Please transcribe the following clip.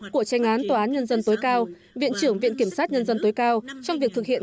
của tranh án tòa án nhân dân tối cao viện trưởng viện kiểm sát nhân dân tối cao trong việc thực hiện